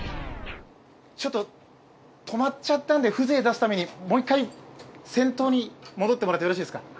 ちょっと止まっちゃったんで、風情出すためにもう一回、先頭に戻ってもらっていいですか。